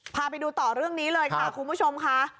พาไปดูต่อเรื่องนี้คุณผู้ชมคะ